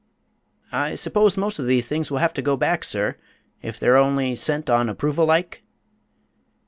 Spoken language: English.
"I suppose most of these things will have to go back, sir, if they're only sent on approval like?"